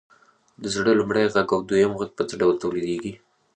د زړه لومړی غږ او دویم غږ په څه ډول تولیدیږي؟